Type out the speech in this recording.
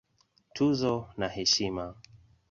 Tuzo na Heshima